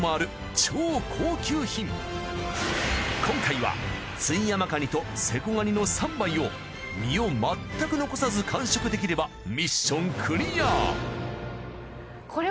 今回は津居山かにとセコガニの３杯を身をまったく残さず完食できればミッションクリア。